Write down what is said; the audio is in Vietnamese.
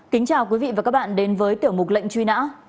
kính chào quý vị và các bạn đến với tiểu mục lệnh truy nã